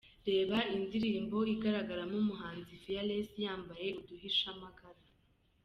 Reba indirimbo igaragaramo umuhanzi Fearless yambaye uduhishamagara :.